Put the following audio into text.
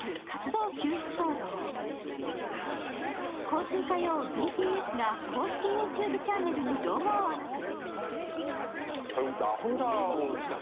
今週火曜、ＢＴＳが公式ＹｏｕＴｕｂｅチャンネルに動画をアップ。